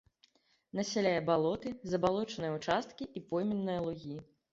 Насяляе балоты, забалочаныя ўчасткі і пойменныя лугі.